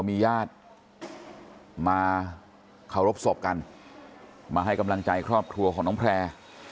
มีญาติมาเคารพศพกันมาให้กำลังใจครอบครัวของน้องแพร่